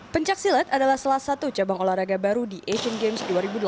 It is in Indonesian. pencaksilat adalah salah satu cabang olahraga baru di asian games dua ribu delapan belas